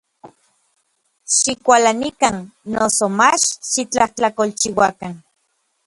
Xikualanikan, noso mach xitlajtlakolchiuakan.